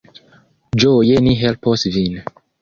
Ĝoje ni helpos vin.